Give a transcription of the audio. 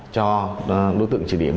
cho đối tượng trị điểm